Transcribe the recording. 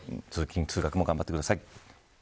通勤、通学も頑張ってください。